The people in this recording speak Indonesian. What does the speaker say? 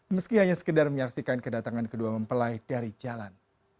meski hanya sekedar menyaksikan kedatangan kedua mempelai dari jalan